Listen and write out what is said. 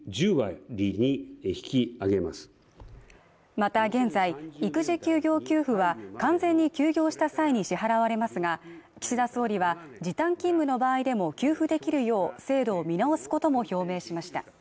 また現在、育児休業給付は完全に休業した際に支払われますが岸田総理は時短勤務の場合でも給付できるよう制度を見直すことも表明しました。